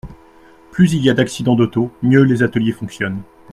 Plus il y a d’accidents d’auto, mieux les ateliers fonctionnent.